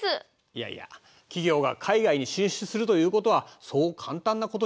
いやいや企業が海外に進出するということはそう簡単なことじゃないんだよ。